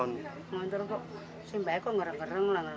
ngeri kok sembahnya kok ngereng ngereng